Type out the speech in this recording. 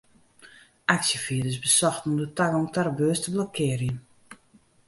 Aksjefierders besochten om de tagong ta de beurs te blokkearjen.